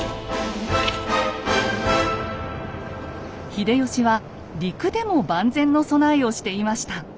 秀吉は陸でも万全の備えをしていました。